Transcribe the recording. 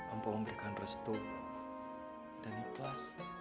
engkau memberikan restu dan ikhlas